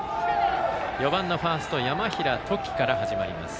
４番ファースト山平統己から始まります。